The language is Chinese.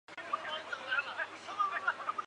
详情请参见连通空间。